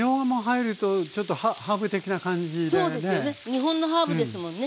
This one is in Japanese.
日本のハーブですもんね。